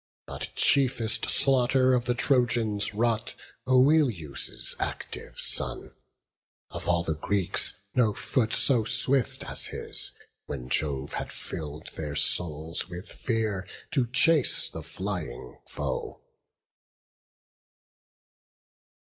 But chiefest slaughter of the Trojans wrought Oileus' active son; of all the Greeks No foot so swift as his, when Jove had fill'd Their souls with fear, to chase the flying foe.